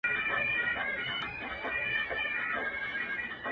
څوك به ليكي قصيدې د كونړونو٫